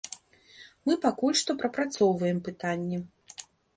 Мы пакуль што прапрацоўваем пытанне.